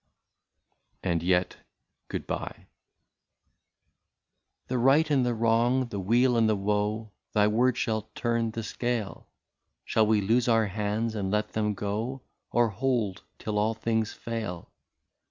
194 AND YET— GOOD BYE !" The right and the wrong, the weal and the woe Thy word shall turn the scale ; Shall we loose our hands and let them go ; Or hold, till all things fail